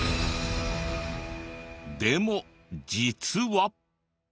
でも実は。